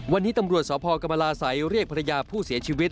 วันนี้ตำรวจสพกรรมราศัยเรียกภรรยาผู้เสียชีวิต